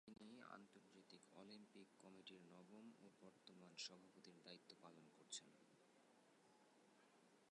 তিনি আন্তর্জাতিক অলিম্পিক কমিটির নবম ও বর্তমান সভাপতির দায়িত্ব পালন করছেন।